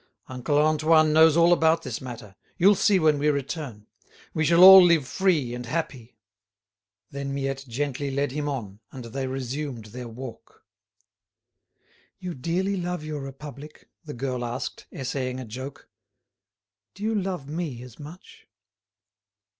Uncle Antoine knows all about this matter. You'll see when we return. We shall all live free and happy." Then Miette gently led him on, and they resumed their walk. "You dearly love your Republic?" the girl asked, essaying a joke. "Do you love me as much?"